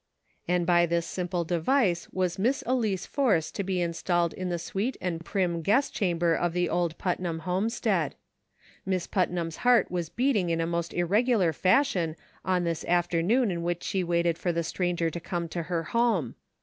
And by this simple device was Miss Elice Force to be installed in the sweet and prim guest cham ber of the old Putnam homestead. Miss Putnam's heart was beating in a most irregular fashion on this afternoon in which she waited for the stran ger to come into her home.